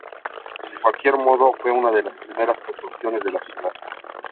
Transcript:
De cualquier modo, fue una de las primeras construcciones de la ciudad.